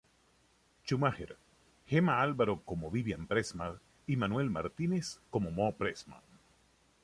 Schumacher, Gema Álvaro como Vivian Pressman y Manuel Martínez como Moe Pressman.